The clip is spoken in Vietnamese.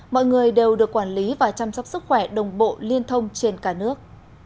mọi người đều được quản lý và chăm sóc sức khỏe đồng bộ liên thông trên cả nước